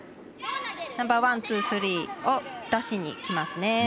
ナンバーワン、ツー、スリーを出しにきますね。